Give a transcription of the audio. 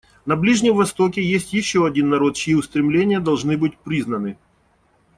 На Ближнем Востоке есть еще один народ, чьи устремления должны быть признаны.